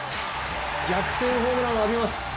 逆転ホームランを浴びます。